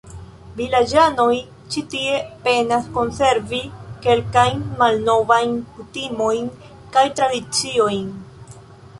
Vilaĝanoj ĉi tie penas konservi kelkajn malnovajn kutimojn kaj tradiciojn.